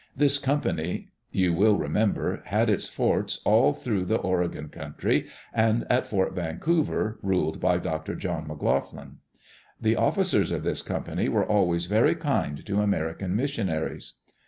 This com pany, you will remember, had its forts all through the Oregon country, and at Fort Vancouver ruled Dr. Jolin McLoughlin. The officers of this Company were always very kind to American missionaries.